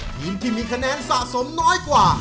ทีมที่มีคะแนนสะสมน้อยกว่า